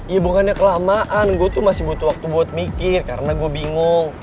ya bukannya kelamaan gue tuh masih butuh waktu buat mikir karena gue bingung